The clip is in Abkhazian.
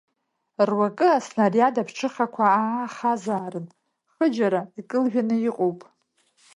Руакы аснариад аԥҽыхақәа аахазаарын, хыџьара икылжәаны иҟоуп.